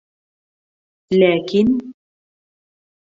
Ләкин...